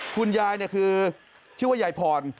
คุณยายคือชื่อว่ายายพร